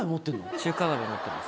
中華鍋持ってます。